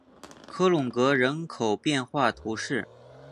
科隆格人口变化图示